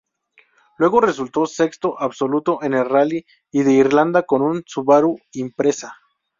Luego resultó sexto absoluto en el Rally de Irlanda con un Subaru Impreza.